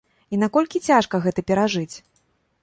І наколькі цяжка гэта перажыць?